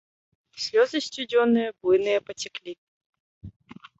Слёзы сцюдзёныя, буйныя пацяклі.